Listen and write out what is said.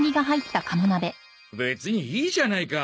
別にいいじゃないか。